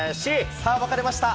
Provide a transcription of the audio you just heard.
さあ、分かれました。